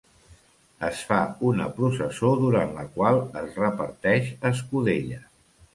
Es fa una processó durant la qual es reparteix escudella.